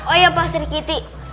oh iya pak sirikiti